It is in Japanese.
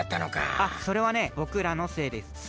あっそれはねぼくらのせいです。